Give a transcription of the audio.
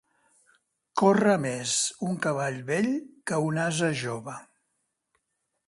Corre més un cavall vell que un ase jove.